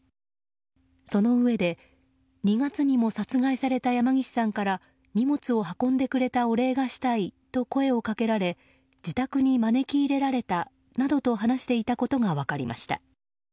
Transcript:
そのうえで２月にも殺害された山岸さんから荷物を運んでくれたお礼がしたいと声をかけられ自宅に招き入れられたなどと話していたことが分かりました。